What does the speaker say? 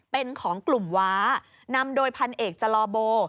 เป็นของกลุ่มว้านำโดยพันเอกจลอโบ